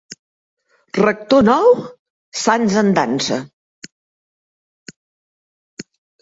Rector nou, sants en dansa.